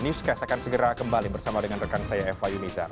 newscast akan segera kembali bersama dengan rekan saya eva yunizar